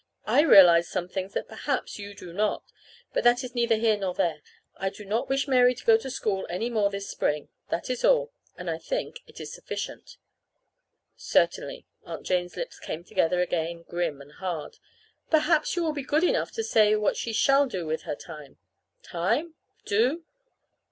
"I realize some things that perhaps you do not. But that is neither here nor there. I do not wish Mary to go to school any more this spring. That is all; and I think it is sufficient." "Certainly." Aunt Jane's lips came together again grim and hard. "Perhaps you will be good enough to say what she shall do with her time." "Time? Do?